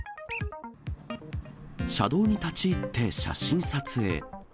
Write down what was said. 車道に立ち入って写真撮影。